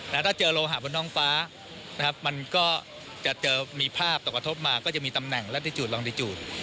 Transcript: แต่ถ้าเจอโลหะขนตรงพ้ามันก็จะเจอมีภาพตกประทบมาก็จะมีตำแหน่งวันที่จุลวันที่จูต